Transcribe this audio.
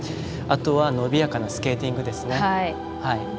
あとは伸びやかなスケーティング。